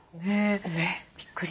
ねえびっくり。